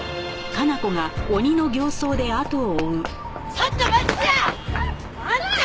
ちょっと待ちや！